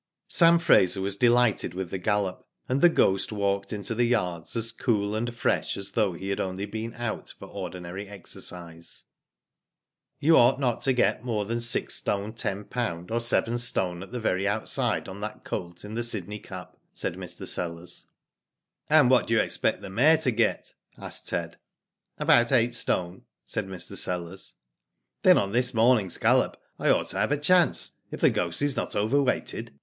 Sam Fraser was delighted with the gallop, and The Ghost walked into the yards as cool and fresh as though he had only been out for ordinary exercise. "You ought not to get more than 6st. lolb., or yst. at the very outside, on that colt in the Sydney Cup,'* said Mr. Sellers. " And what do you expect the mare to get ?" asked Ted. "About 8st.," said Mr. Sellers. "Then on this morning's gallop I ought to have a chance, if The Ghost is not overweighted